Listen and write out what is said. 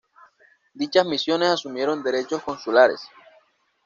Dichas misiones asumieron derechos consulares.